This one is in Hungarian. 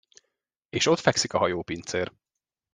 És ott fekszik a hajópincér.